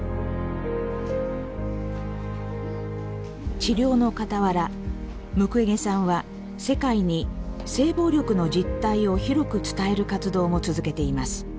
治療のかたわらムクウェゲさんは世界に性暴力の実態を広く伝える活動も続けています。